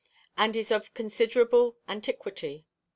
and is of considerable antiquity.